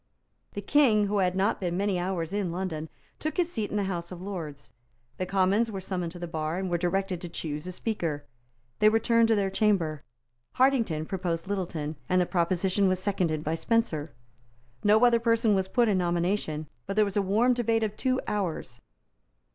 The King, who had not been many hours in London, took his seat in the House of Lords. The Commons were summoned to the bar, and were directed to choose a Speaker. They returned to their Chamber. Hartington proposed Littleton; and the proposition was seconded by Spencer. No other person was put in nomination; but there was a warm debate of two hours.